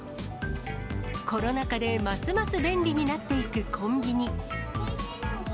コロナ禍でますます便利になっていくコンビニ。